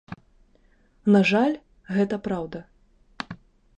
На жаль, гэта праўда.